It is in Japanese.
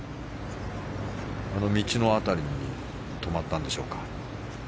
道の辺りに止まったんでしょうか。